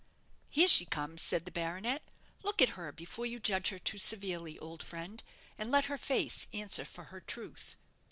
"Here she comes!" said the baronet; "look at her before you judge her too severely, old friend, and let her face answer for her truth."